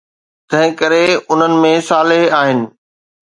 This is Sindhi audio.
تنهن ڪري، انهن ۾ صالح آهن